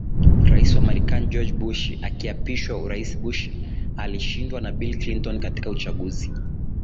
Rais wa Marekani George Bush akiapishwa uraisBush alishindwa na Bill Clinton katika uchaguzi